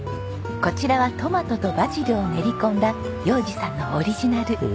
こちらはトマトとバジルを練り込んだ洋治さんのオリジナル。